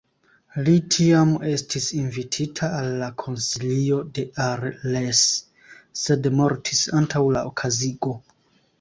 Li tiam estis invitita al la Konsilio de Arles sed mortis antaŭ la okazigo.